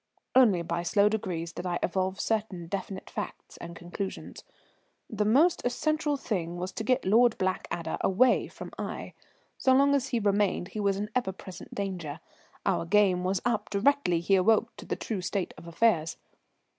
Only by slow degrees did I evolve certain definite facts and conclusions. The most essential thing was to get Lord Blackadder away from Aix. So long as he remained he was an ever present danger; our game was up directly he awoke to the true state of affairs.